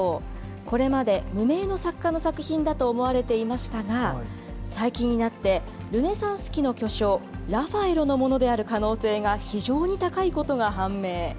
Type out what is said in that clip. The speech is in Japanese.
これまで無名の作家の作品だと思われていましたが最近になってルネサンス期の巨匠、ラファエロのものである可能性が非常に高いことが判明。